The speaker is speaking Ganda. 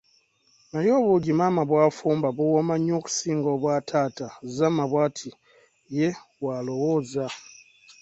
Naye obuugi maama bw'afumba buwooma nnyo okusinga obwa taata, Zama bwati ye walowooza.